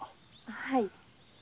はい。